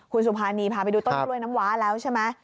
คุณสุภานีพาไปดูต้นกล้วยน้ำว้าแล้วใช่ไหม